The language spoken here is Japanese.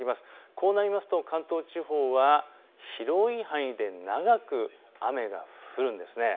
こうなりますと関東地方は広い範囲で長く雨が降るんです。